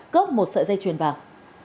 cướp một sợi dây chuyền vàng